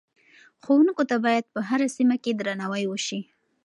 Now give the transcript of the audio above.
ښوونکو ته باید په هره سیمه کې درناوی وشي.